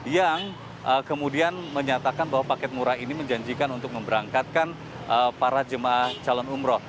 yang kemudian menyatakan bahwa paket murah ini menjanjikan untuk memberangkatkan para jemaah calon umroh